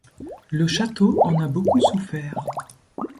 Le château en a beaucoup souffert.